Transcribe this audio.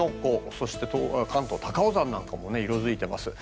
そして関東は高尾山なんかも色付いています。